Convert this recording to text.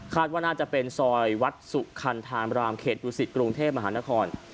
คาดว่าน่าจะเป็นซอยวัดสุคัณภ์ทางรามเขตอยู่สิทธิ์กรุงเทพมหานคร